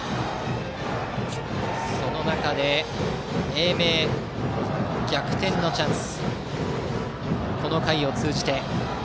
その中で、英明は逆転のチャンス。